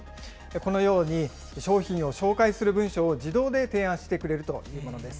このように商品を紹介する文章を自動で提案してくれるというものです。